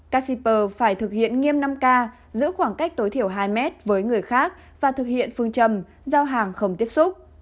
các shipper phải thực hiện nghiêm năm k giữa khoảng cách tối thiểu hai m với người khác và thực hiện phương trầm giao hàng không tiếp xúc